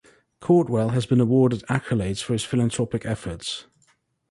Caudwell has been awarded accolades for his philanthropic efforts.